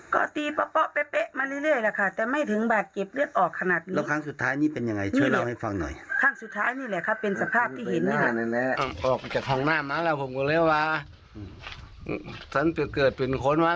ก็ตีเป๊ะเป๊ะมาเรื่อยแหละค่ะแต่ไม่ถึงบาดเก็บเลือดออกขนาดนี้